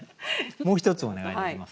もう一つお願いできますか。